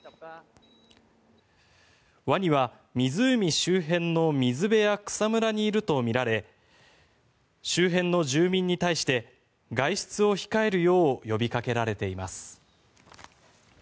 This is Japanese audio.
ワニは湖周辺の水辺や草むらにいるとみられ周辺の住民に対して外出を控えるよう呼びかけられています。